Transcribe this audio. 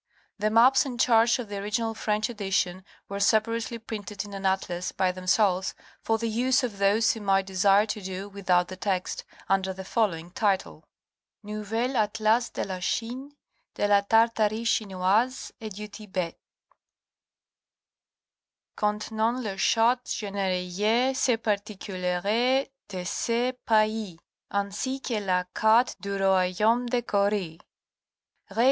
The maps and charts of the original French edition were separately printed in an atlas by themselves, for the use of those who might desire to do without the text, under the following title : Nouvel Atlas de la Chine, de la Tartarie Chinoise, et du Thibet : contenant Les Chartes générales & particulieres de ces Pays, ainsi que la Carte du Royaume de Corée ; (etc.)